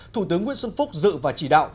thủ tướng nguyễn xuân phúc dự và chỉ đạo